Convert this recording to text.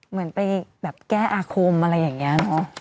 เหมือนไปแบบแก้อาคมอะไรอย่างนี้เนอะ